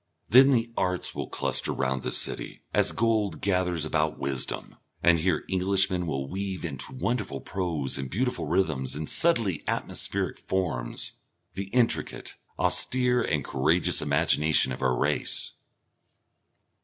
Then the arts will cluster round this city, as gold gathers about wisdom, and here Englishmen will weave into wonderful prose and beautiful rhythms and subtly atmospheric forms, the intricate, austere and courageous imagination of our race.